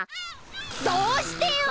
どうしてよ！？